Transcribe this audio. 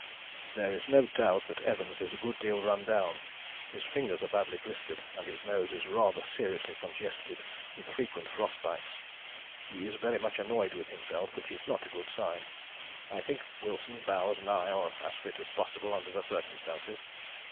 "There is no doubt Evans is a good deal run down his fingers are badly blistered and his nose is rather seriously congested with frequent frost bites. He is very much annoyed with himself, which is not a good sign. I think Wilson, Bowers and I are as fit as possible under the circumstances.